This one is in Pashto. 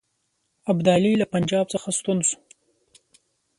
ابدالي له پنجاب څخه ستون شو.